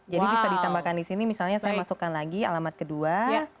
jadi bisa ditambahkan di sini misalnya saya masukkan lagi alamat kedua